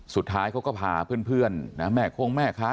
สุดท้ายเขาก็พาเพื่อนแม่คงแม่ค้า